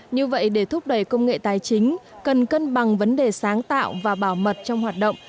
như vậy để thúc đẩy công nghệ tài chính cần cân bằng vấn đề sáng tạo và bảo mật trong hoạt động